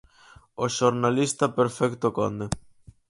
O xornalista Perfecto Conde.